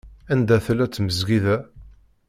Anda tella tmezgida?